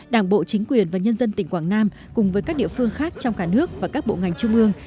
đảng bộ chính quyền và nhân dân tỉnh quảng nam cùng với các địa phương khác trong cả nước và các bộ ngành trung ương